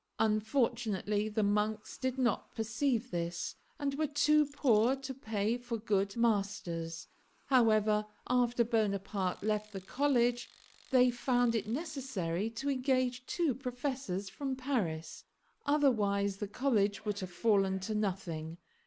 Unfortunately, the monks did not perceive this, and were too poor to pay for good masters. However, after Bonaparte left the college they found it necessary to engage two professors from Paris, otherwise the college would have fallen to nothing.